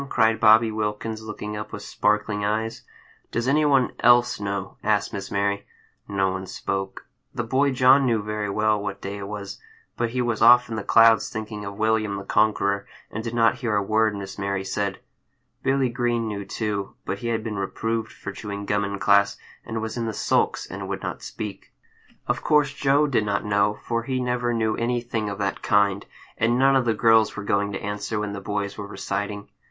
cried Bobby Wilkins, looking up with sparkling eyes. "Does any one else know?" asked Miss Mary. No one spoke. The boy John knew very well what day it was, but he was off in the clouds, thinking of William the Conqueror, and did not hear a word Miss Mary said. Billy Green knew, too, but he had been reproved for chewing gum in class, and was in the sulks, and would not speak. Of course Joe did not know, for he never knew anything of that kind; and none of the girls were going to answer when the boys were reciting.